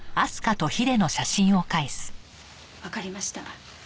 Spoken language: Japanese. わかりました。